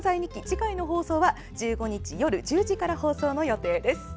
次回の放送は、１５日夜１０時から放送の予定です。